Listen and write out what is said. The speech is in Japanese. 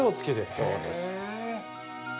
そうです。